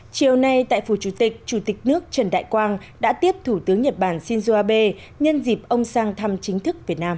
chiều nay tại phủ chủ tịch chủ tịch nước trần đại quang đã tiếp thủ tướng nhật bản shinzo abe nhân dịp ông sang thăm chính thức việt nam